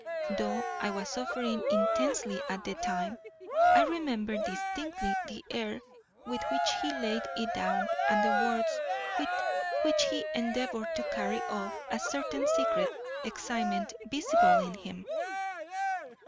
Though I was suffering intensely at the time, I remember distinctly the air with which he laid it down and the words with which he endeavoured to carry off a certain secret excitement visible in him.